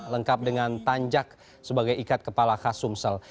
lengkap dengan tanjak sebagai ikat kepala khas sumsel